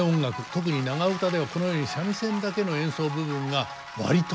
特に長唄ではこのように三味線だけの演奏部分が割とありましてですね